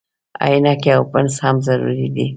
عینکې او پنس هم ضروري دي.